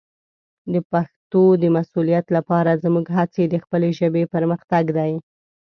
د پښتو د مسوولیت لپاره زموږ هڅې د خپلې ژبې پرمختګ دی.